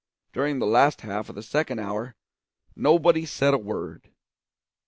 During the last half of the second hour nobody said a word.